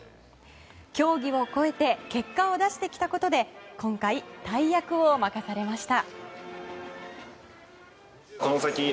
競技を越えて結果を出してきたことで今回、大役を任されました。